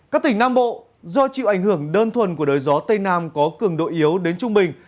các tỉnh nam bộ do chịu ảnh hưởng đơn thuần của đới gió tây nam có cường độ yếu đến trung bình